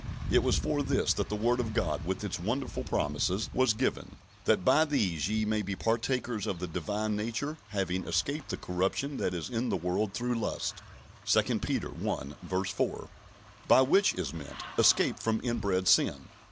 It was for this that the word of God, with its wonderful promises, was given: "That by these ye might be partakers of the Divine nature, having escaped the corruption that is in the world through lust" (2 Peter i. 4); by which is meant, escape from inbred sin.